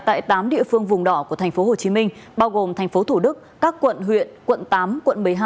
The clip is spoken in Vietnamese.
tại tám địa phương vùng đỏ của tp hcm bao gồm thành phố thủ đức các quận huyện quận tám quận một mươi hai